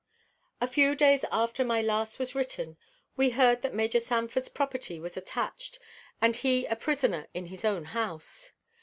A few days after my last was written, we heard that Major Sanford's property was attached, and he a prisoner in his own house.